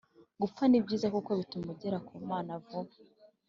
Gupfa ni byiza kuko bituma ugera ku imana vuba